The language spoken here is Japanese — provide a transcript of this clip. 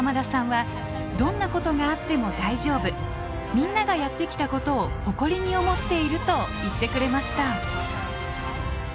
みんながやってきたことを誇りに思っていると言ってくれました。